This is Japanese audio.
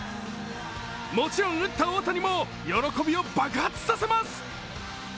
もちろん、打った大谷も喜びを爆発させます。